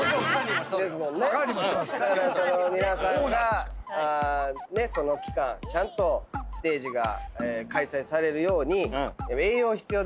だから皆さんがその期間ちゃんとステージが開催されるように栄養必要ですもんね。